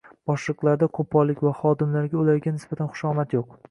Boshliqlarda qoʻpollik va xodimlarda ularga nisbatan xushomad yoʻq...